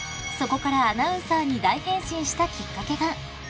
［そこからアナウンサーに大変身したきっかけが］